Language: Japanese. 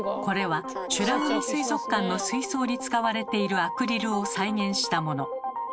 これは美ら海水族館の水槽に使われているアクリルを再現したもの。